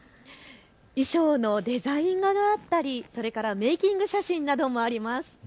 衣装のデザイン画があったりそれからメイキング写真などもあります。